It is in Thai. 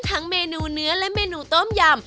เมนูเนื้อและเมนูต้มยำ